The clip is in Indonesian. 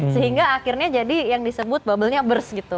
sehingga akhirnya jadi yang disebut bubble nya burst gitu